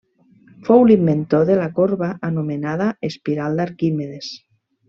Fou l'inventor de la corba anomenada espiral d'Arquimedes.